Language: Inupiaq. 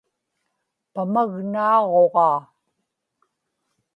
pamagnaaġuġaa